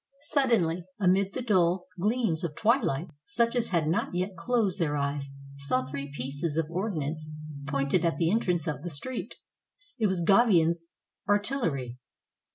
Suddenly, amid the dull 317 FRANCE gleams of twilight, such as had not yet closed their eyes saw three pieces of ordnance pointed at the entrance of the street. It was Gauvain's artillery.